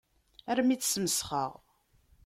Armi i tt-smesxeɣ.